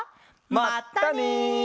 まったね！